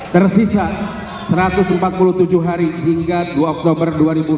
tersisa satu ratus empat puluh tujuh hari hingga dua oktober dua ribu dua puluh